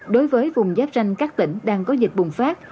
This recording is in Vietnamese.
đối với vùng giáp ranh các tỉnh đang có dịch bùng phát